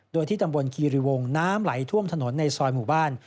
โดยที่ตำบลคีริวงศ์น้ำไหลท่วมถนนในซอยหมู่บ้าน